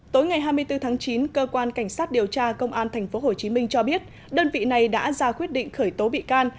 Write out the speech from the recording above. tối ngày hai mươi bốn tháng chín cơ quan cảnh sát điều tra công an tp hcm cho biết đơn vị này đã ra quyết định khởi tố bị can